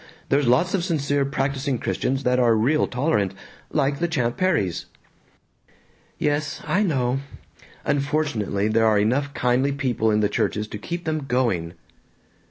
There's lots of sincere practising Christians that are real tolerant. Like the Champ Perrys." "Yes. I know. Unfortunately there are enough kindly people in the churches to keep them going."